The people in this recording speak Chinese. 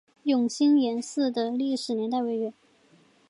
永兴岩寺的历史年代为元。